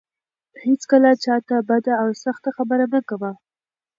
هيڅکله چا ته بده او سخته خبره مه کوه.